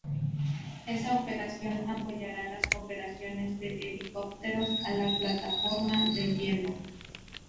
Esa operación apoyará las operaciones de helicópteros a la plataforma de hielo.